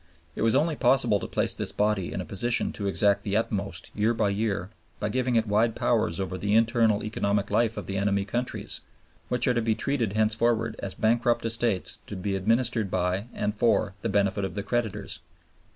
It was only possible to place this body in a position to exact the utmost year by year by giving it wide powers over the internal economic life of the enemy countries, who are to be treated henceforward as bankrupt estates to be administered by and for the benefit of the creditors.